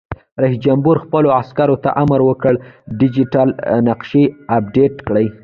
رئیس جمهور خپلو عسکرو ته امر وکړ؛ ډیجیټل نقشې اپډېټ کړئ!